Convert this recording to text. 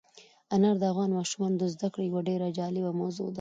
انار د افغان ماشومانو د زده کړې یوه ډېره جالبه موضوع ده.